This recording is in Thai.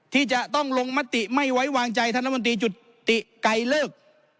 ที่จะต้องลงมติไม่ไว้วางใจท่านรัฐมนตรีจุติไกลเลิก